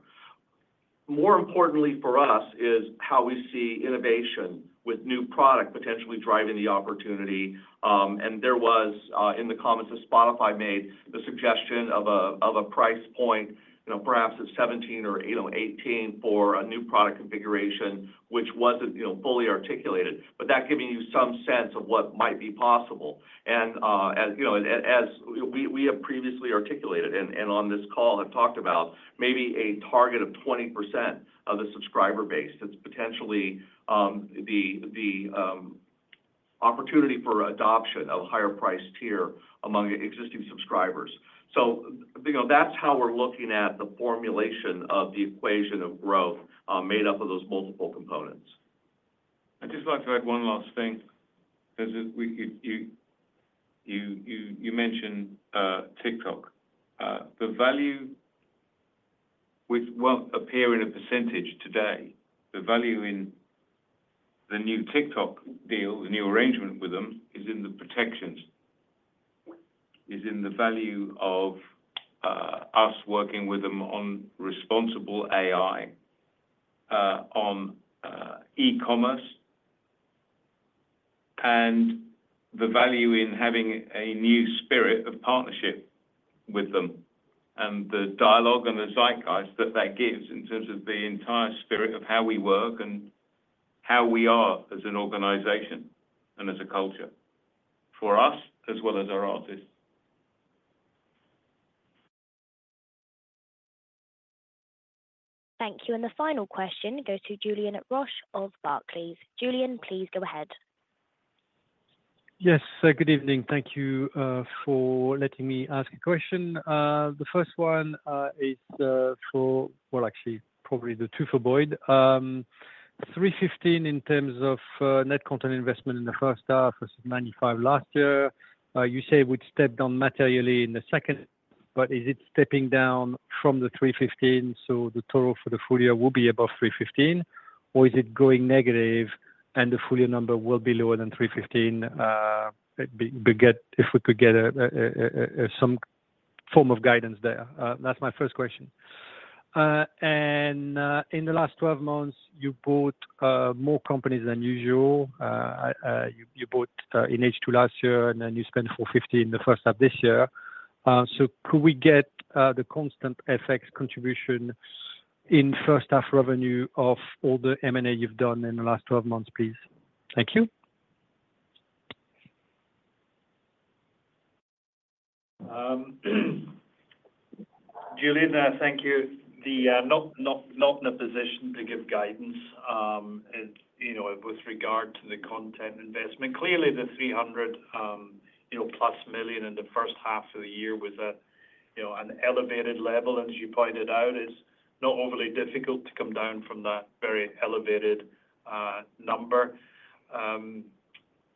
More importantly for us is how we see innovation with new product potentially driving the opportunity. There was, in the comments of Spotify, made the suggestion of a price point perhaps of $17 or $18 for a new product configuration, which wasn't fully articulated, but that giving you some sense of what might be possible. As we have previously articulated and on this call have talked about, maybe a target of 20% of the subscriber base that's potentially the opportunity for adoption of a higher price tier among existing subscribers. That's how we're looking at the formulation of the equation of growth made up of those multiple components. I just want to add one last thing because you mentioned TikTok. The value will appear in a percentage today. The value in the new TikTok deal, the new arrangement with them, is in the protections, is in the value of us working with them on responsible AI, on e-commerce, and the value in having a new spirit of partnership with them and the dialogue and the zeitgeist that that gives in terms of the entire spirit of how we work and how we are as an organization and as a culture for us as well as our artists. Thank you. The final question goes to Julien Roch of Barclays. Julien, please go ahead. Yes. Good evening. Thank you for letting me ask a question. The first one is for, well, actually, probably the two for Boyd. 315 in terms of net content investment in the first half versus 95 last year. You say it would step down materially in the second, but is it stepping down from the 315 million? So the total for the full year will be above 315 million, or is it going negative and the full year number will be lower than 315 million? If we could get some form of guidance there. That's my first question. And in the last 12 months, you bought more companies than usual. You bought in H2 last year, and then you spent 450 million in the first half this year. So could we get the constant FX contribution in first-half revenue of all the M&A you've done in the last 12 months, please? Thank you. Julian, thank you. Not in a position to give guidance with regard to the content investment. Clearly, the 300+ million in the first half of the year was at an elevated level. As you pointed out, it's not overly difficult to come down from that very elevated number.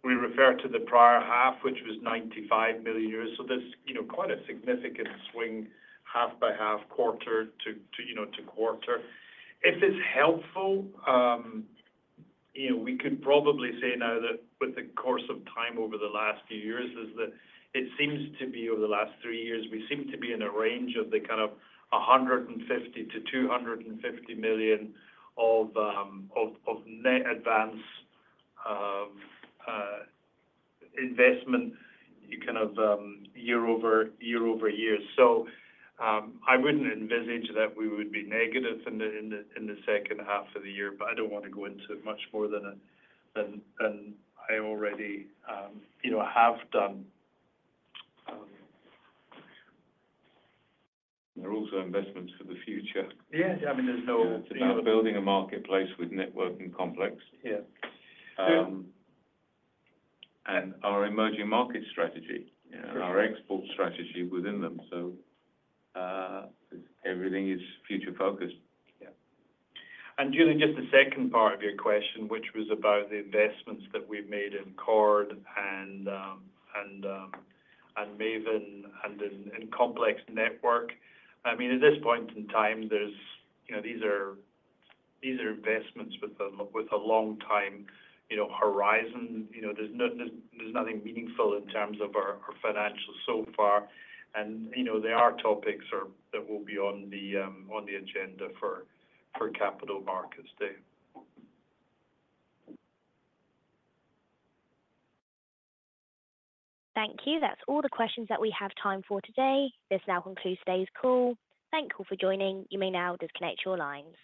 We refer to the prior half, which was 95 million euros. So there's quite a significant swing, half by half, quarter-to-quarter. If it's helpful, we could probably say now that with the course of time over the last few years, it seems to be over the last 3 years, we seem to be in a range of the kind of 150 million-250 million of net advance of investment kind of year over year. So I wouldn't envisage that we would be negative in the second half of the year, but I don't want to go into it much more than I already have done. There are also investments for the future. I mean, there's no doubt. It's about building a marketplace with Complex Networks. Yeah. Our emerging market strategy and our export strategy within them. Everything is future-focused. During just the second part of your question, which was about the investments that we've made in Chord and Mavin and in Complex Networks, I mean, at this point in time, these are investments with a long-time horizon. There's nothing meaningful in terms of our financials so far. There are topics that will be on the agenda for capital markets too. Thank you. That's all the questions that we have time for today. This now concludes today's call. Thank you for joining. You may now disconnect your lines.